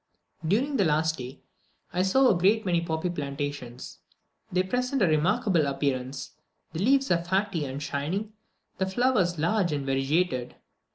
During the last day I saw a great many poppy plantations. They present a remarkable appearance; the leaves are fatty and shining, the flowers large and variegated.